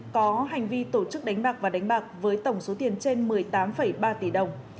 có hành vi tổ chức đánh bạc và đánh bạc với tổng số tiền trên một mươi tám ba tỷ đồng